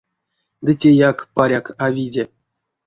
Ды теяк, паряк, а виде.